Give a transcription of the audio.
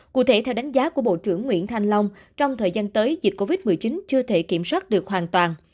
cụ thể theo đánh giá của bộ trưởng nguyễn thanh long trong thời gian tới dịch covid một mươi chín chưa thể kiểm soát được hoàn toàn